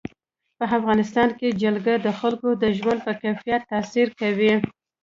په افغانستان کې جلګه د خلکو د ژوند په کیفیت تاثیر کوي.